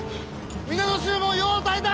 皆の衆もよう耐えた！